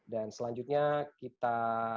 dan selanjutnya kita